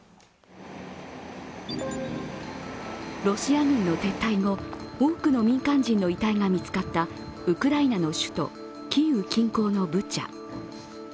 ロシア軍の撤退後、多くの民間人の遺体が見つかったウクライナの首都キーウ近郊のブチャ。